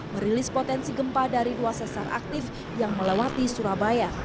merilis potensi gempa dari dua sesar aktif yang melewati surabaya